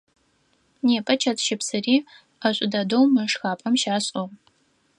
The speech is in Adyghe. Непэ чэтщыпсыри ӏэшӏу дэдэу мы шхапӏэм щашӏыгъ.